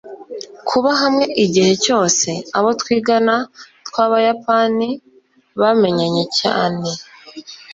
kuba hamwe igihe cyose, abo twigana twabayapani bamenyanye cyane